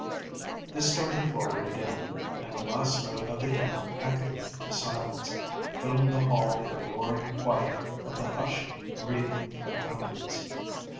They started forward again, and the last note of the hymn echoed to silence, filling the hall with the roaring quiet of the hushed breathing of hundreds.